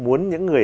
muốn những người